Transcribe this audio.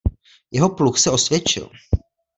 Jeho pluh se osvědčil.